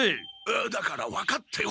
だから分かっておる！